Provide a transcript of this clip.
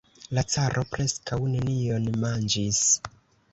La caro preskaŭ nenion manĝis.